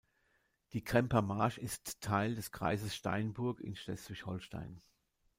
Die Kremper Marsch ist Teil des Kreises Steinburg in Schleswig-Holstein.